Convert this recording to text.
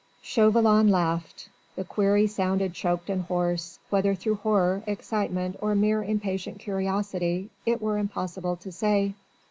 Chauvelin laughed. The query sounded choked and hoarse, whether through horror, excitement or mere impatient curiosity it were impossible to say.